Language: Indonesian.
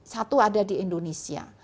satu ada di indonesia